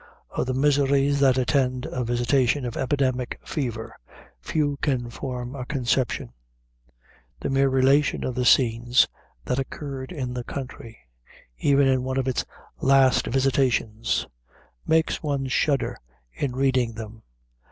Of the miseries that attend a visitation of epidemic fever, few can form a conception. The mere relation of the scenes that occurred in the country, even in one of its last visitations, makes one shudder in reading them.